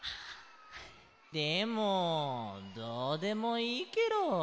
でもどうでもいいケロ。